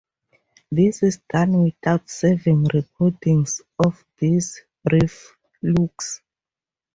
This is done without saving recordings of these brief looks.